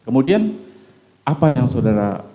kemudian apa yang saudara